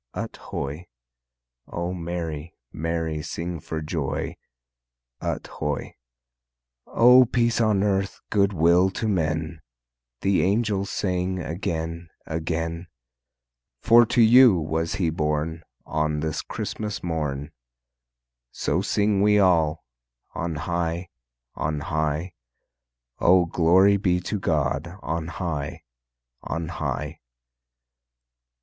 Ut hoy! O merry, merry sing for joy, Ut hoy! O peace on earth, good will to men, The angels sang again, again, For to you was He born On this Christmas morn, So sing we all: On high, On high, O glory be to God on high, On high!